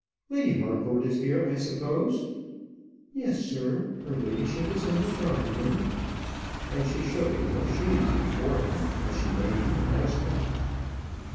"Lady Harcourt is here, I suppose?" "Yes, sir; her ladyship is in the drawing room," and she shook in her shoes before him as she made the announcement.